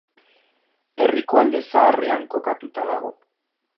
Herriko Alde Zaharrean kokatuta dago.